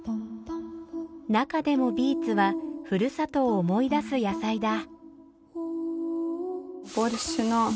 中でも「ビーツ」はふるさとを思い出す野菜だ。